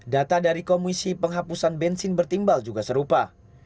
data dari komisi penghapusan bensin bertimbal juga serupa